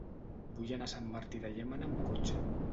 Vull anar a Sant Martí de Llémena amb cotxe.